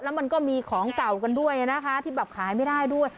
แล้วมันก็มีของเก่ากันด้วยนะคะที่แบบขายไม่ได้ด้วย